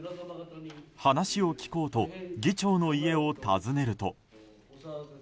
話を聞こうと議長の家を訪ねると。